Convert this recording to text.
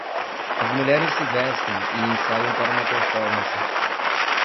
As mulheres se vestem e ensaiam para uma performance.